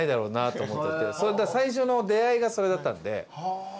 最初の出会いがそれだったんで。